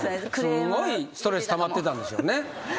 すごいストレスたまってたんでしょうね。